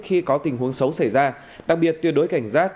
khi có tình huống xấu xảy ra đặc biệt tuyệt đối cảnh giác